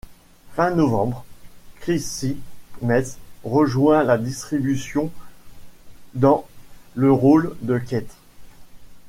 Fin novembre Chrissy Metz rejoint la distribution dans le rôle de Kate.